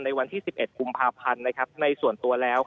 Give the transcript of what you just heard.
ในวันที่๑๑กุมภาพันธ์ในส่วนตัวแล้ว